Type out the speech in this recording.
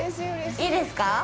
いいですか？